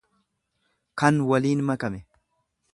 kan waliin makame.